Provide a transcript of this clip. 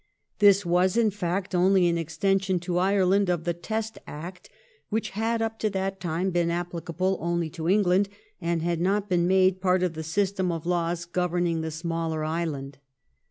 This was, in fact, only an extension to Ireland of the Test Act, which had, up to that time, been applicable only to England and had not been made part of the system of laws governing the smaller island.